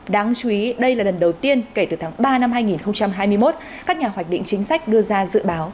đáng chú ý đây là lần đầu tiên kể từ tháng ba năm hai nghìn hai mươi một các nhà hoạch định chính sách đưa ra dự báo